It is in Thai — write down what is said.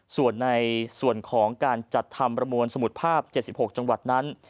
ส่วนในส่วนของการจัดทำประมวลสมุดภาพ๗๖จังหวัดนั้น